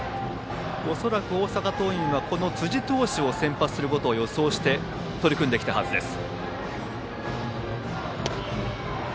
恐らく大阪桐蔭は辻投手が先発することを予想して取り組んできたはずです。